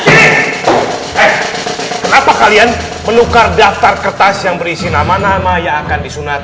eh kenapa kalian menukar daftar kertas yang berisi nama nama yang akan disunat